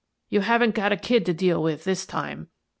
You haven't got a kid to deal with this time."